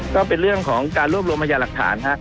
ก็เป็นเรื่องของการรวบรวมพยาหลักฐานฮะ